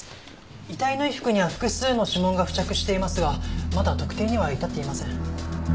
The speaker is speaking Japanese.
遺体の衣服には複数の指紋が付着していますがまだ特定には至っていません。